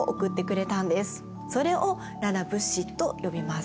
それをララ物資と呼びます。